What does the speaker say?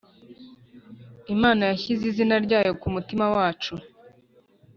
Imana yashyize izina ryayo ku mutima wacu